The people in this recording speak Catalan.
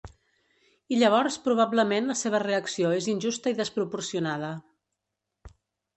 I llavors probablement la seva reacció és injusta i desproporcionada.